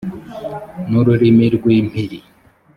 n ururimi rw impiri